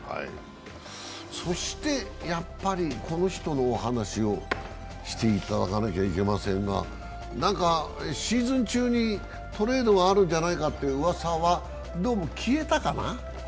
そして、やっぱりこの人のお話をしていただかなきゃいけませんが、なんかシーズン中にトレードがあるんじゃないかってうわさはどうも消えたかな？